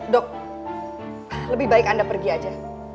dok lebih baik anda pergi aja